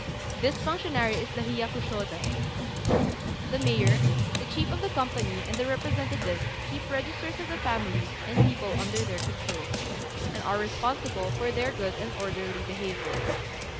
This functionary is the Hiyakushôdai. The mayor, the chief of the company, and the representative keep registers of the families and people under their control, and are responsible for their good and orderly behaviour.